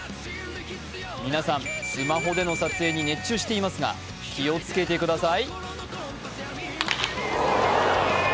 皆さん、スマホでの撮影に熱中していますが、気をつけてください。